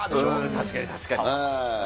確かに、確かに。